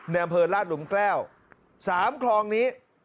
อำเภอราชหลุมแก้ว๓คลองนี้